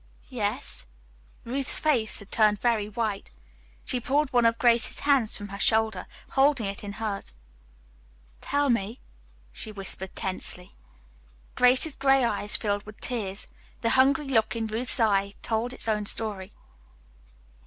"Yes." Ruth's face had turned very white. She pulled one of Grace's hands from her shoulder, holding it in hers. "Tell me," she whispered tensely. Grace's gray eyes filled with tears. The hungry look in Ruth's eyes told its own story.